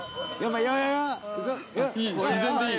いい自然でいい。